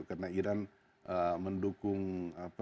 karena iran mendukung kelompok kelompok yang lain gitu